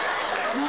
何？